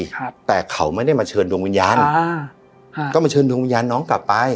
ครับแต่เขาไม่ได้มาเชิญดวงวิญญาณอ่าฮะก็มาเชิญดวงวิญญาณน้องกลับไป